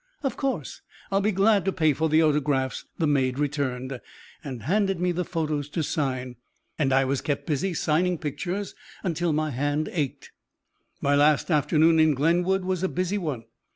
"Of course, I'll be glad to pay for the autographs," the maid returned, and handed me the photos to sign. And I was kept busy signing pictures until my hand ached. My last afternoon in Glenwood was a busy one.